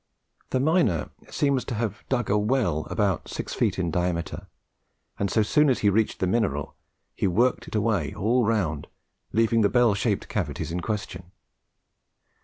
The miner seems to have dug a well about 6 feet in diameter, and so soon as he reached the mineral, he worked it away all round, leaving the bell shaped cavities in question.